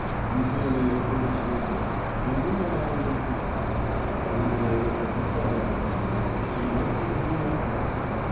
You hear me open the street door, and you know I am in the house. My landlady has a trouble on her mind, and mixes me up with it.